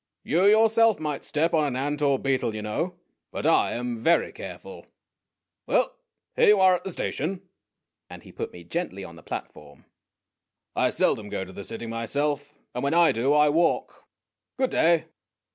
You yourself might step on an ant or a beetle, you know. But I am very careful. Well, here you are at the station, "and he put me GOOD NEIGHBORS 193 gently on the platform. " I seldom go to the city, myself; and when I do I walk. Good day."